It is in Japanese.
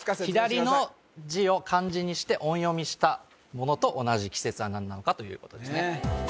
左の字を漢字にして音読みしたものと同じ季節は何なのかということですね